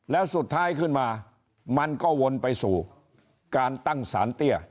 แล้วสุดท้ายขึ้นมามันก็วนไปสู่การตั้งสารเตี้ย